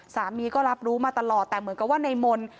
สามีก็รับรู้มาตลอดแต่เหมือนกับว่าในมนต์